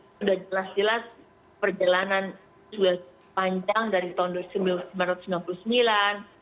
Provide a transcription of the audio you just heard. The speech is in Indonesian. sudah jelas jelas perjalanan sudah panjang dari tahun seribu sembilan ratus sembilan puluh sembilan